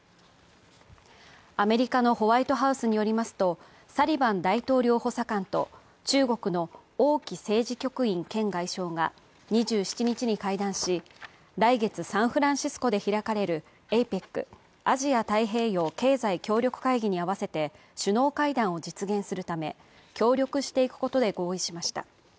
アメリカのホワイトハウスによりますとサリバン大統領補佐官と中国の王毅政治局員兼外相が２７日に会談し、来月、サンフランシスコで開かれるＡＰＥＣ＝アジア太平洋経済協力会議に合わせて首脳会談を実現するため、協力していくことで合意しました。